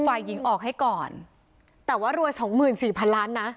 ฝ่ายหญิงออกให้ก่อนแต่ว่ารวยสองหมื่นสี่พันล้านนะ